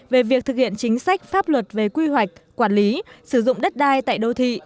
về việc thực hiện chính sách pháp luật về quy hoạch quản lý sử dụng đất đai tại đô thị